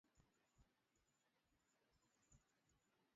kuunda mfumo wa kuandika Kiswahili kwa herufi za